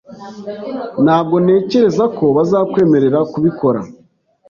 Ntabwo ntekereza ko bazakwemerera kubikora